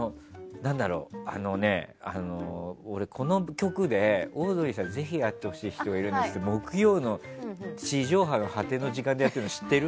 俺、この局で「オードリーさん、ぜひ会ってほしい人がいるんです。」っていう木曜の地上波の果ての番組やってるの知ってる？